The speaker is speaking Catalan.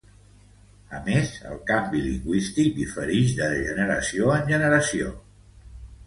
A més, el canvi lingüístic diferix de generació en generació.